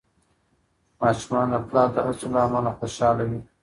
ماشومان د پلار د هڅو له امله خوشحال وي.